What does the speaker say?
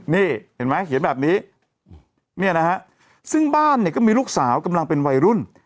นี่เห็นไหมเขียนแบบนี้เนี่ยนะฮะซึ่งบ้านเนี่ยก็มีลูกสาวกำลังเป็นวัยรุ่น